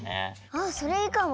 あっそれいいかも！